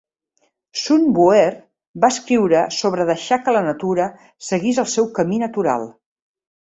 Sun Bu'er va escriure sobre deixar que la natura seguís el seu camí natural.